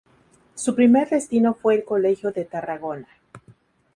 Su primer destino fue el colegio de Tarragona.